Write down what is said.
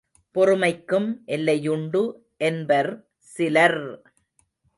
பொறுமைக்கும் எல்லையுண்டு என்பர் சிலர்!